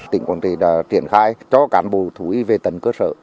tỉnh quảng trị đã triển khai cho cán bộ thú y về tấn cơ sở